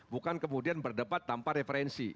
bukan kemudian berdebat tanpa referensi